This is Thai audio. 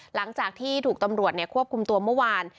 หลังจากที่ถูกตำรวจควบคุมตัวเมื่อวาน